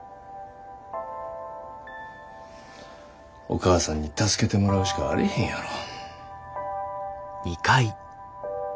お義母さんに助けてもらうしかあれへんやろ。